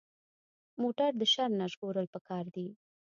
موټر د شر نه ژغورل پکار دي.